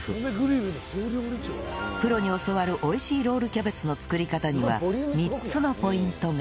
プロに教わる美味しいロールキャベツの作り方には３つのポイントが！